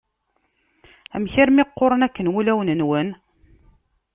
Amek armi qquren akken wulawen-nwen?